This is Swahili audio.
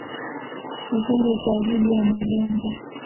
Uhuru kwa ajili ya malengo.